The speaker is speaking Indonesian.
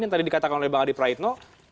yang tadi dikatakan oleh bang adi praitno